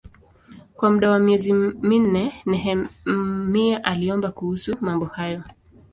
Kwa muda wa miezi minne Nehemia aliomba kuhusu mambo hayo.